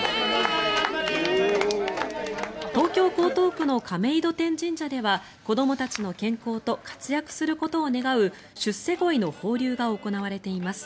東京・江東区の亀戸天神社では子どもたちの健康と活躍することを願う出世鯉の放流が行われています。